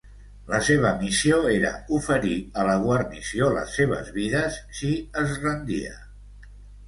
La seva missió era oferir a la guarnició les seves vides, si es rendia.